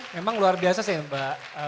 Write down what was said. memang luar biasa sih mbak